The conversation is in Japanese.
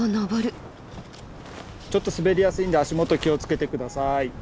ちょっと滑りやすいんで足元気を付けて下さい。